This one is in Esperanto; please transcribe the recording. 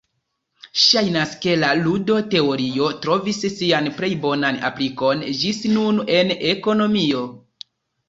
Ŝajnas ke la ludo-teorio trovis sian plej bonan aplikon ĝis nun en ekonomio.